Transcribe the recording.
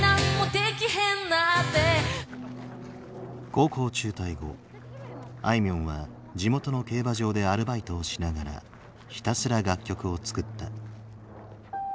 高校中退後あいみょんは地元の競馬場でアルバイトをしながらひたすら楽曲を作った。